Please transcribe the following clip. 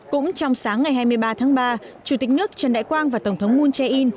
cũng trong sáng ngày hai mươi ba tháng ba chủ tịch nước trần đại quang và tổng thống moon jae in